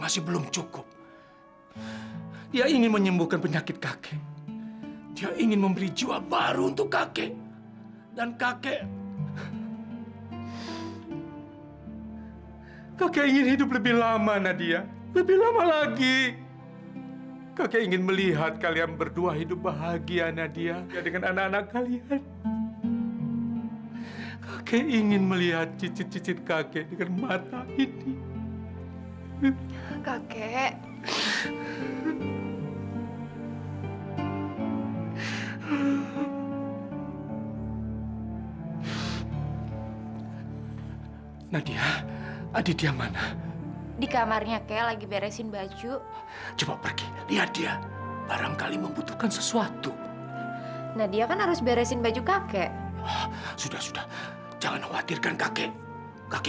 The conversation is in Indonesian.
sampai jumpa di video selanjutnya